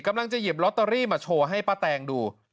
กำลังจะหยิบลอตเตอรี่มาโชว์ให้ป้าแตงดู